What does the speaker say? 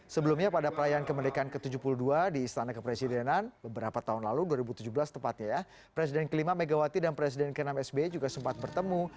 sebelumnya pada perayaan kemerdekaan ke tujuh puluh dua di istana kepresidenan beberapa tahun lalu dua ribu tujuh belas tepatnya ya presiden kelima megawati dan presiden ke enam sbi juga sempat bertemu